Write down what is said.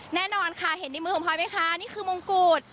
แน่นอนค่ะเห็นในมือของพลอยไหมคะนี่คือมงกุฎ